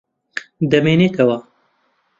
دەمێنێتەوە.